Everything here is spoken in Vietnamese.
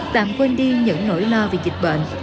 tạm quên đi những nỗi lo về dịch bệnh